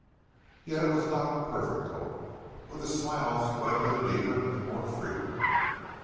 Yet it was not a perfect hope, or the smiles would have been deeper and more frequent.